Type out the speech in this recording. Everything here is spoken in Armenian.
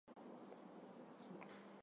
Մեր պահանջները ողջամիտ են և արդարացված։